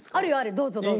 どうぞどうぞ。